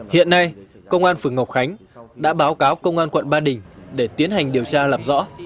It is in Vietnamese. hiện nay công an phường ngọc khánh đã báo cáo công an quận ba đình để tiến hành điều tra làm rõ